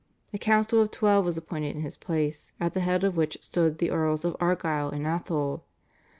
A council of twelve was appointed in his place, at the head of which stood the Earls of Argyll and Atholl.